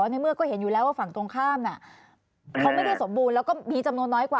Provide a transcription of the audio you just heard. ในเมื่อก็เห็นอยู่แล้วว่าฝั่งตรงข้ามเขาไม่ได้สมบูรณ์แล้วก็มีจำนวนน้อยกว่า